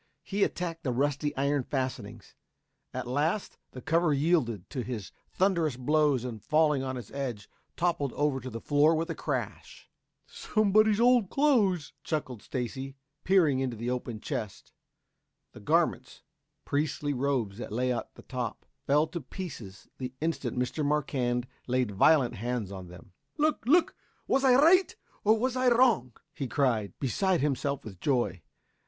He attacked the rusty iron fastenings; at last the cover yielded to his thunderous blows and falling on its edge, toppled over to the floor with a crash. "Somebody's old clothes," chuckled Stacy, peering into the open chest. The garments, priestly robes that lay at the top, fell to pieces the instant Mr. Marquand laid violent hands on them. "Look! Look! Was I right or was I wrong?" he cried, beside himself with joy.